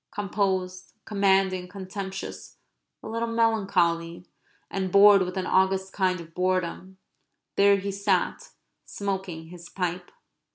Composed, commanding, contemptuous, a little melancholy, and bored with an august kind of boredom, there he sat smoking his pipe.